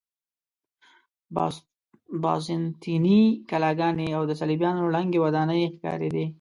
بازنطیني کلاګانې او د صلیبیانو ړنګې ودانۍ ښکارېدې.